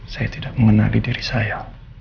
saya tidak mengenali diri saya